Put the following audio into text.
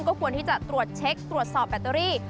ก็ควรที่จะตรวจเช็คตรวจสอบแบตเตอรี่